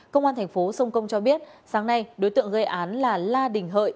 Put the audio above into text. công an tp sông công cho biết sáng nay đối tượng gây án là la đình hợi